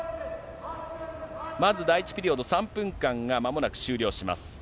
まず第１ピリオド、３分間がまもなく終了します。